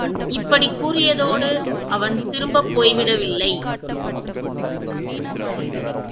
இப்படிக் கூறியதோடு அவன் திரும்பிப் போய்விடவில்லை.